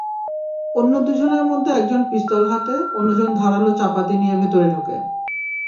অন্য দুজনের মধ্যে একজন পিস্তল হাতে, অন্যজন ধারালো চাপাতি নিয়ে ভেতরে ঢোকে।